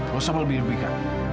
gak usah melibih libihkan